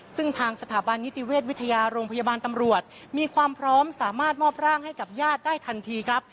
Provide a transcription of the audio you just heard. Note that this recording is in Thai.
ซึ่งทางสถาบันนิติเวชวิทยาโรงพยาบาลตำรวจมีความพร้อมสามารถมอบร่างให้กับญาติได้ทันทีครับ